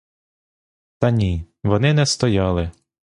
Та ні, вони не стояли.